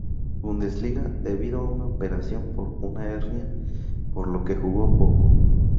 Bundesliga debido a una operación por una hernia, por lo que jugó poco.